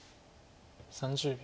３０秒。